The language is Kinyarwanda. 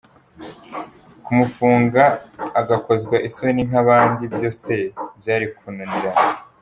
Kumufunga agakozwa isoni nk’abandi byo se byari kunanirana?